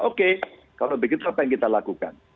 oke kalau begitu apa yang kita lakukan